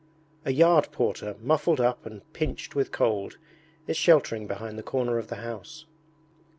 A yard porter muffled up and pinched with cold is sheltering behind the corner of the house.